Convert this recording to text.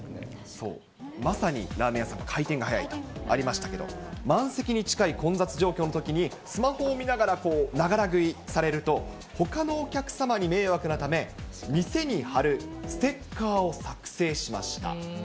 そう、まさにラーメン屋さん、回転が早いとありましたけれども、満席に近い混雑状況のときに、スマホを見ながらながら食いされると、ほかのお客様に迷惑なため、店に貼るステッカーを作成しました。